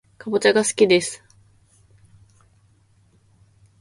かぼちゃがすきです